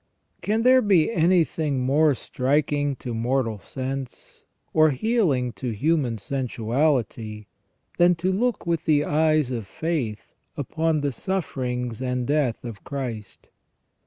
Can there be anything more striking to mortal sense, or healing to human sensuality, than to look with the eyes of faith upon the sufierings and death of Christ